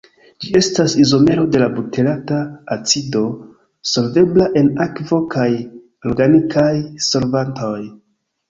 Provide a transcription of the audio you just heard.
Ĝi estas izomero de la buterata acido, solvebla en akvo kaj organikaj solvantoj.